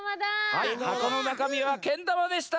はいはこのなかみはけんだまでした。